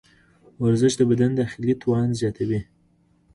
ورزش د بدن داخلي توان زیاتوي.